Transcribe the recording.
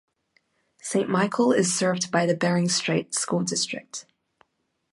Saint Michael is served by the Bering Strait School District.